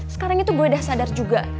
sekarang itu gue udah sadar juga